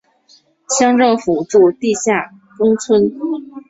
乡政府驻地在下宫村。